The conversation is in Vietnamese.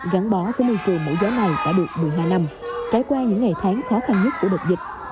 gắn bó số mưu trường mỗi gió này đã được một mươi hai năm trái qua những ngày tháng khó khăn nhất của đợt dịch